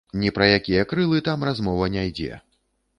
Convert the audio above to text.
Ні пра якія крылы там размова не ідзе!